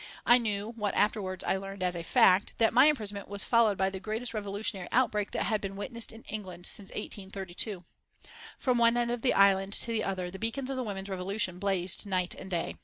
I knew, what afterwards I learned as a fact, that my imprisonment was followed by the greatest revolutionary outbreak that had been witnessed in England since 1832. From one end of the island to the other the beacons of the women's revolution blazed night and day.